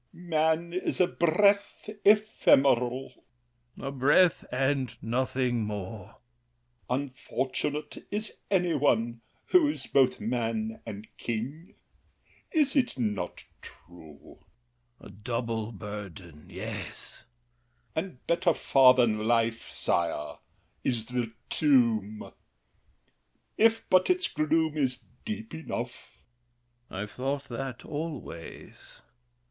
L'ANGELY. Man is a breath ephemeral! THE KING. A breath, and nothing more! L'ANGELY. Unfortunate Is any one who is both man and king. Is it not true? THE KING. A double burden—yes. L'ANGELY. And better far than life, sire, is the tomb, If but its gloom is deep enough! THE KING. I've thought That always!